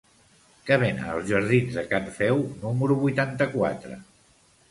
Què venen als jardins de Can Feu número vuitanta-quatre?